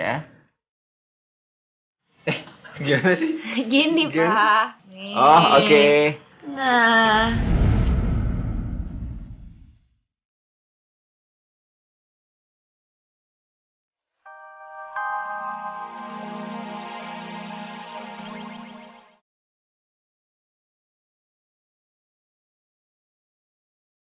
eh gimana sih